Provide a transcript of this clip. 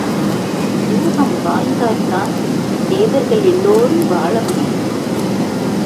உலகம் வாழ்ந்தால்தான் தேவர்கள் எல்லோரும் வாழ முடியும்.